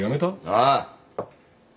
ああ。